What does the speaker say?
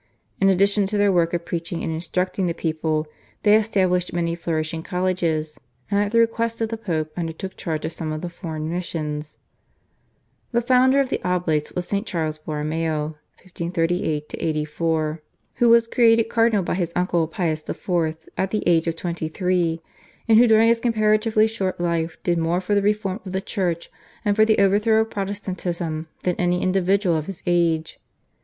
In addition to their work of preaching and instructing the people they established many flourishing colleges, and at the request of the Pope undertook charge of some of the foreign missions. The founder of the Oblates was St. Charles Borromeo (1538 84) who was created cardinal by his uncle Pius IV., at the age of twenty three, and who during his comparatively short life did more for the reform of the Church and for the overthrow of Protestantism than any individual of his age.